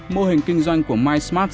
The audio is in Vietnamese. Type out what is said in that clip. mô hình kinh doanh của mysmart